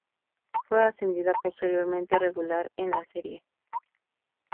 Fue ascendida posteriormente a regular en la serie.